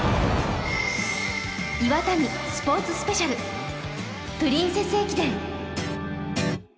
Ｉｗａｔａｎｉスポーツスペシャル「プリンセス駅伝」。